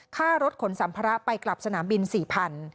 ค่ารถขนสัมภาระไปกลับสนามบิน๔๐๐บาท